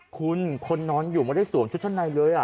คุณคนนอนอยู่ไม่ได้สวมชุดชั้นในเลย